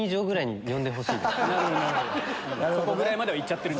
そこぐらいまでは行っちゃってる。